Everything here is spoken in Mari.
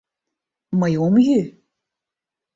Мый ом йӱ...